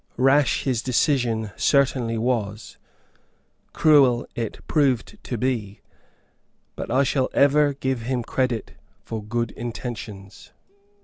Rash his decision certainly was, cruel it proved to be; but I shall ever give him credit for good intentions.